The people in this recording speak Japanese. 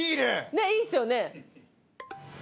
ねっいいっすよね。